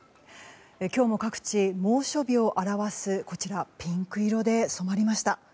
今日も各地猛暑日を表すピンク色で染まりました。